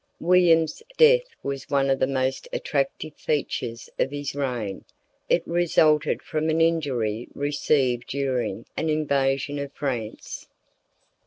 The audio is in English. William's death was one of the most attractive features of his reign. It resulted from an injury received during an invasion of France.